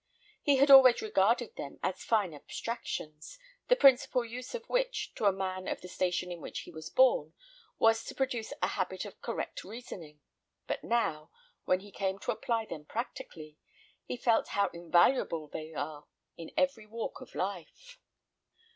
He had always regarded them as fine abstractions, the principal use of which, to a man of the station in which he was born, was to produce a habit of correct reasoning; but now, when he came to apply them practically; he felt how invaluable they are in every walk of life.